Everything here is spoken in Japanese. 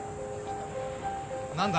何だ？